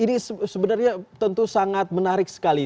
ini sebenarnya tentu sangat menarik sekali